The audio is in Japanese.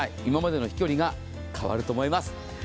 今までの飛距離が変わると思います。